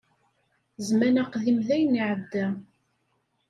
Zzman aqdim dayen iɛedda.